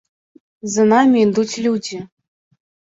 За намі ідуць людзі.